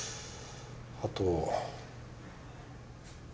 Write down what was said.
あと。